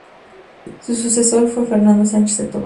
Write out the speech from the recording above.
Su sucesor fue Fernando Sánchez de Tovar.